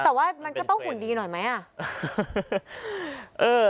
แต่ว่ามันก็ต้องหุ่นดีหน่อยไหมอ่ะ